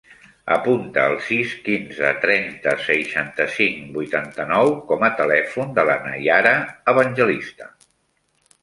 Apunta el sis, quinze, trenta, seixanta-cinc, vuitanta-nou com a telèfon de la Naiara Evangelista.